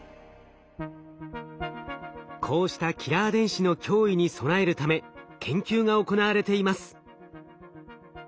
こうしたキラー電子の脅威に備えるため研究が行われています。